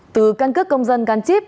từ căn cước công dân gắn chip